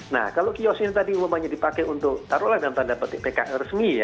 nah kalau kios ini tadi umpamanya dipakai untuk taruhlah dalam tanda petik pkr resmi ya